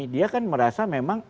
dia kan merasa memang